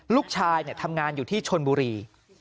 ลูกชายทำงานอยู่ที่ชนบุรี